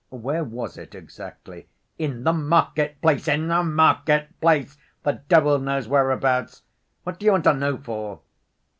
"Where was it, exactly?" "In the market‐place, in the market‐place! The devil knows whereabouts. What do you want to know for?"